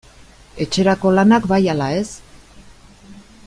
Etxerako lanak bai ala ez?